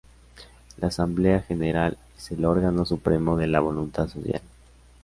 La Asamblea General es el órgano supremo de la voluntad social.